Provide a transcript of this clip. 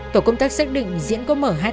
tổ công tác xác định diễn có mở hai tài khoản